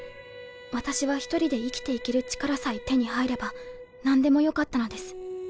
私は１人で生きていける力さえ手に入れば何でもよかったのです。